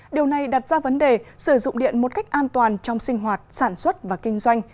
điều này đặt ra vấn đề sử dụng điện một cách an toàn trong sinh hoạt sản xuất và kinh doanh